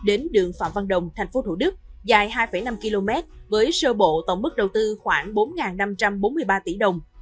đến đường phạm văn đồng tp thủ đức dài hai năm km với sơ bộ tổng mức đầu tư khoảng bốn năm trăm bốn mươi ba tỷ đồng